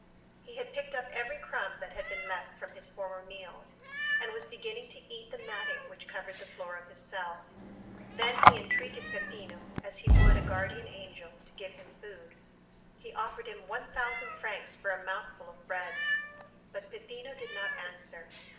He had picked up every crumb that had been left from his former meals, and was beginning to eat the matting which covered the floor of his cell. Then he entreated Peppino, as he would a guardian angel, to give him food; he offered him 1,000 francs for a mouthful of bread. But Peppino did not answer.